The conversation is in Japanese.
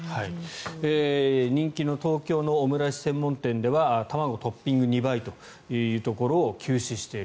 人気の東京のオムライス専門店では卵トッピング２倍というところを休止している。